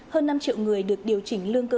hơn năm triệu người được điều chỉnh lương cấp